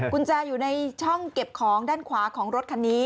กุญแจอยู่ในช่องเก็บของด้านขวาของรถคันนี้